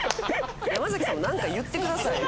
山崎さんも何か言ってくださいよ。